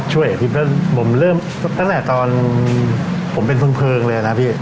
อภิปแล้วผมเริ่มตั้งแต่ตอนผมเป็นเพลิงเลยนะพี่